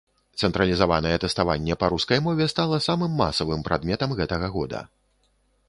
Цэнтралізаванае тэставанне па рускай мове стала самым масавым прадметам гэтага года.